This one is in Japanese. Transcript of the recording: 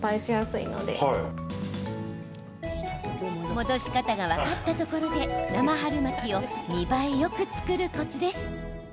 戻し方が分かったところで生春巻きを見栄えよく作るコツです。